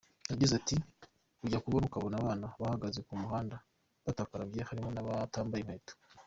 Yagize ati “Ujya kubona ukabona abana bahagaze ku muhanda batakarabye, harimo n’abatambaye inkweto.